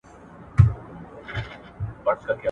شراب په خوښۍ او بدبختۍ کي کارول کیږي.